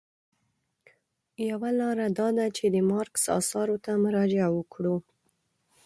یوه لاره دا ده چې د مارکس اثارو ته مراجعه وکړو.